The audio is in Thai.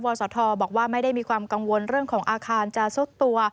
ศธบอกว่าไม่ได้มีความกังวลเรื่องของอาคารจะซุดตัว